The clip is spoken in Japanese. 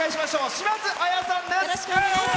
島津亜矢さんです。